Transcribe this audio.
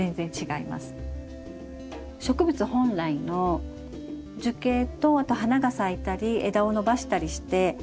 植物本来の樹形とあと花が咲いたり枝を伸ばしたりして。